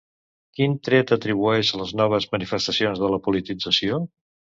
Quin tret atribueix a les noves manifestacions de la politització?